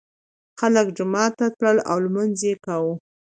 خلک جومات ته تلل او لمونځ یې کاوه.